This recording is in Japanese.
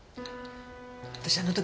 私あの時ね